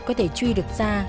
có thể truy được ra